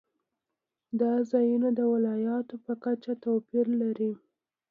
دا ځایونه د ولایاتو په کچه توپیرونه لري.